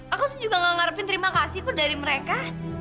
aku tuh juga gak ngarepin terimakasih tuh dari mereka